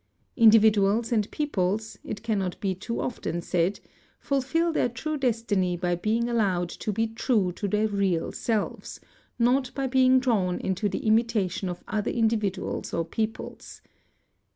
Individuals and peoples, it cannot be too often said, f ufill their true destiny by being allowed to be true to their real selves, not by being drawn into the imitation of other individuals or peoples.